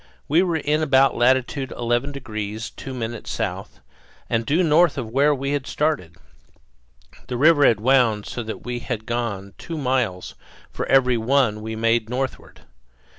We were in about latitude 11 degrees 2 minutes south, and due north of where we had started. The river had wound so that we had gone two miles for every one we made northward.